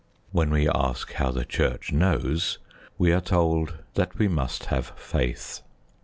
When we ask how the Church knows, we are told that we must have faith.